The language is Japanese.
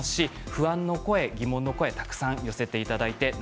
不安の声、疑問の声たくさん寄せていただきました。